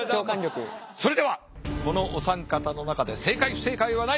それではこのお三方の中で正解不正解はないという。